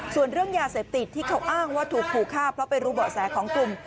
ส่วนเรื่องยาเสพติดที่เขาอ้างว่าถูกขู่ฆ่าเพราะไปรู้เบาะแสของกลุ่ม